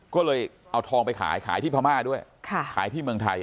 ก็เลยเอาทองไปขายขายที่พม่าด้วยขายที่เมืองไทย